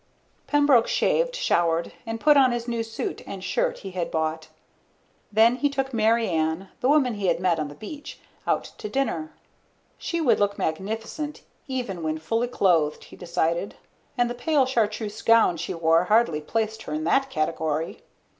Pembroke shaved, showered, and put on the new suit and shirt he had bought. Then he took Mary Ann, the woman he had met on the beach, out to dinner. She would look magnificent even when fully clothed, he decided, and the pale chartreuse gown she wore hardly placed her in that category.